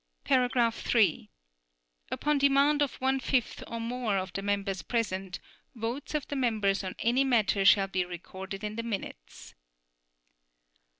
(3) Upon demand of one fifth or more of the members present, votes of the members on any matter shall be recorded in the minutes.